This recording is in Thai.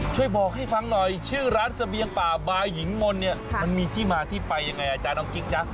ช่วยบอกให้ฟังหน่อยชื่อร้านเสบียงป่าบายหญิงมนต์เนี่ยมันมีที่มาที่ไปยังไงอาจารย์น้องจิ๊กจ๊ะ